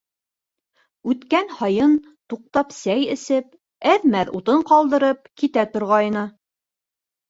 Үткән һайын туҡтап сәй эсеп, әҙ-мәҙ утын ҡалдырып китә торғайны.